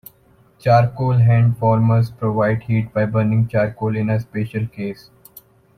Charcoal hand-warmers provide heat by burning charcoal in a special case.